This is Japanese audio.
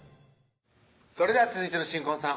それでは続いての新婚さん